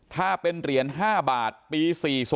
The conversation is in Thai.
ถ้าเป็นเหรียญ๕บาทปี๔๐